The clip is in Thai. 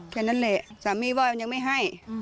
แค่นั้นแหละสามีว่ามันยังไม่ให้